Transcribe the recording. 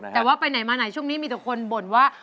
แต่ว่าไปไหนมาไหนช่วงนี้มีแต่คนบ่นว่า